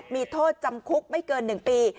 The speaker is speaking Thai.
มีโทษจำคุกไม่เกิน๑ปี